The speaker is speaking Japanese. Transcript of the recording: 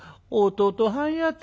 「弟はんやて」。